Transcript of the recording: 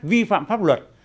vi phạm pháp luật